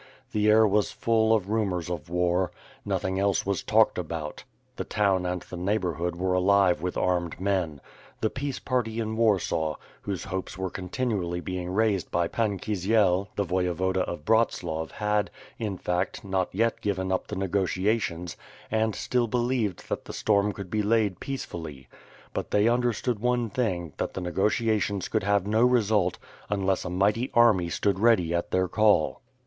The air was full of rumors of war. Nothing else was talked about. The town and the neighborhood were alive with armed men. The peace party in Warsaw, whose hopes were continually being raised by Pan Kisiel, the Voyevoda of Bratslav had, in fact, not yet given up the negotiations and, still believed that the storm could be laid peacefully; but they understood one thing that the negotiations could have no result, unless a mighty army stood ready at their call.